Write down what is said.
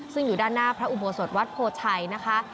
ซึ่งอยู่ด้านหน้าพระอุโบสถวัดโพชัยนะคะ